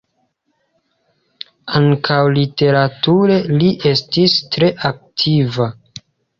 Ankaŭ literature li estis tre aktiva.